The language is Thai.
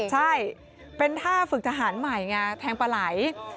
ใช่เป็นท่าฝึกทหารใหม่ไงแทงปลาไหล